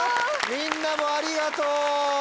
みんなもありがとう！